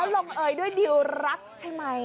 แล้วร่วมเอ่ยด้วยดิวรักใช่ไหม